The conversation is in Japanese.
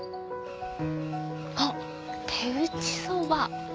あっ手打ちそば。